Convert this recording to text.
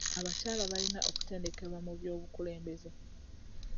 Abakyala balina okutendekebwa mu by'obukulembeze.